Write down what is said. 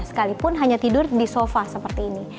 sekalipun hanya tidur di sofa seperti ini